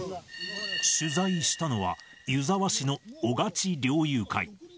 取材したのは、湯沢市の雄勝猟友会。